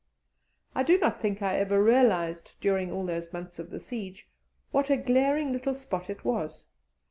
I do not think I ever realized, during all those months of the siege, what a glaring little spot it was.